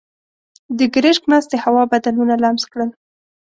د ګرشک مستې هوا بدنونه لمس کړل.